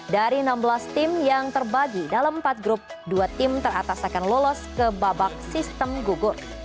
dari enam belas tim yang terbagi dalam empat grup dua tim teratas akan lolos ke babak sistem gugur